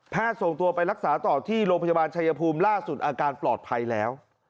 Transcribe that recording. ส่งตัวไปรักษาต่อที่โรงพยาบาลชายภูมิล่าสุดอาการปลอดภัยแล้ว